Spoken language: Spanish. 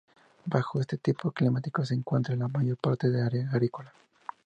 Bajo este tipo climático se encuentra la mayor parte del área agrícola.